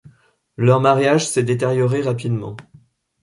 Leur mariage s'est détérioré rapidement.